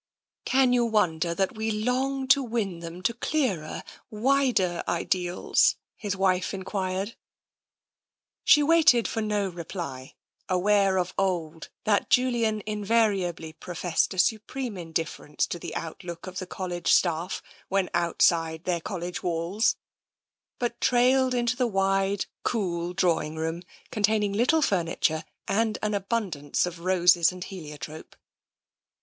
" Can you wonder that we long to win them to clearer, wider ideals? " his wife enquired. She waited for no reply, aware of old that Julian invariably professed a supreme indifference to the out look of the College staff when outside their College walls, but trailed into the wide, cool drawing room containing little furniture and an abundance of roses and heliotrope.